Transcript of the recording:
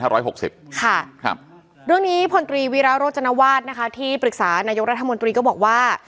เรื่องนี้พลตรีวีระโรจนวาสนะคะที่ปรึกษานายกรัฐมนตรีก็บอกว่า